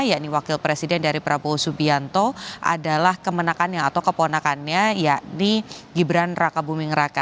yakni wakil presiden dari prabowo subianto adalah kemenangannya atau keponakannya yakni gibran raka buming raka